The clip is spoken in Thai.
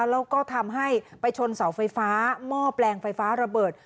แล้วก็ทำให้ไปชนเสาไฟฟ้าหม้อแปลงไฟฟ้าระเบิด